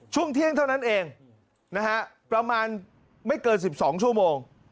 ช่วงเที่ยงเท่านั้นเองนะฮะประมาณไม่เกิน๑๒ชั่วโมง